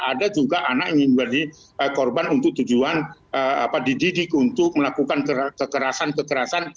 ada juga anak yang ingin menjadi korban untuk tujuan dididik untuk melakukan kekerasan kekerasan